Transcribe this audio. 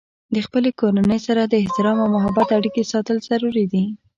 د خپلې کورنۍ سره د احترام او محبت اړیکې ساتل ضروري دي.